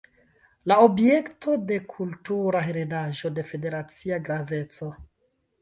La objekto de kultura heredaĵo de Federacia graveco.